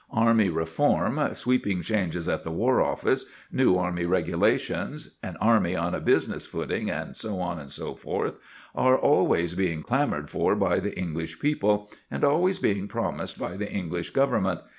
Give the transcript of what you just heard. Army reform, sweeping changes at the War Office, new army regulations, an army on a business footing, and so on and so forth, are always being clamoured for by the English people, and always being promised by the English Government.